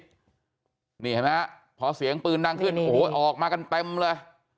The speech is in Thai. นี่เห็นไหมฮะพอเสียงปืนดังขึ้นโอ้โหออกมากันเต็มเลย